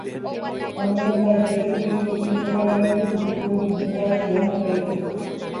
Onohẽmbaitékuri umi pindo karai kurusu ojuhúva guive hapépe.